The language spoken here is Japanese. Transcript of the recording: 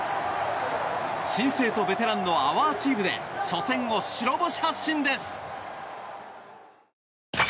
新星とベテランのＯｕｒＴｅａｍで初戦を白星発進です。